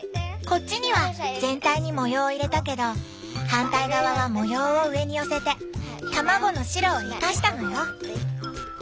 こっちには全体に模様を入れたけど反対側は模様を上に寄せて卵の白を生かしたのよ。